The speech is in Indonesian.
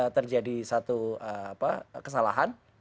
terjadi satu kesalahan